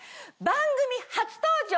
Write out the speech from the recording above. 番組初登場！